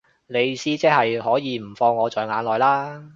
你意思即係可以唔放我在眼內啦